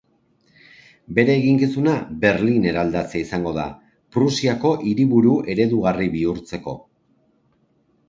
Bere eginkizuna Berlin eraldatzea izango da, Prusiako hiriburu eredugarri bihurtzeko.